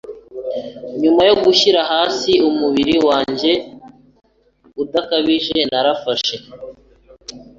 Nyuma yo gushyira hasi umubiri wanjye udakabije narafashe